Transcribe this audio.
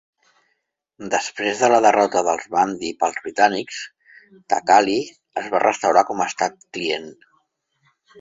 Després de la derrota dels Mahdi pels britànics, Taqali es va restaurar com a estat client.